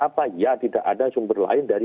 apa ya tidak ada sumber lain dari